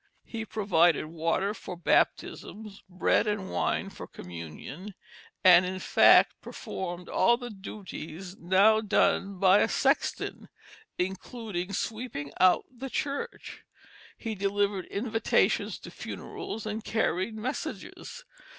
He provided water for baptisms, bread and wine for communion, and in fact performed all the duties now done by a sexton, including sweeping out the church. He delivered invitations to funerals and carried messages.